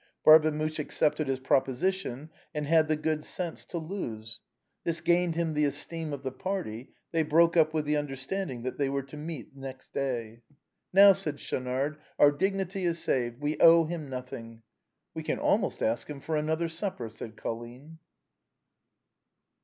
Barbemuche accepted the proposition, and had the good sense to lose. This gained him the esteem of the party. They broke up with the understanding that they were to meet the next day. " Now," said Schaunard, " our dignity is saved ; we owe him nothing." " We can almost ask him for another supper," said Colline.